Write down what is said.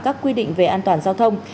các quy định về an toàn giao thông